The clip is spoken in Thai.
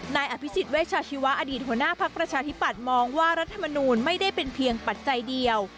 นายอภิษฎเวชาชีวะอดีตหัวหน้าพักประชาธิปัตย์มองว่ารัฐมนูลไม่ได้เป็นเพียงปัจจัยเดียว